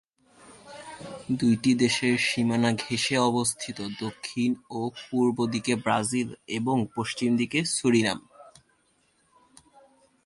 দুইটি দেশের সীমানা ঘেষে অবস্থিত: দক্ষিণ ও পূর্ব দিকে ব্রাজিল এবং পশ্চিম দিকে সুরিনাম।